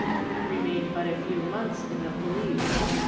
Remained but a few months in the" police.